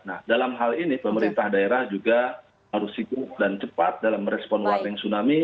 nah dalam hal ini pemerintah daerah juga harus ikut dan cepat dalam merespon warga yang tsunami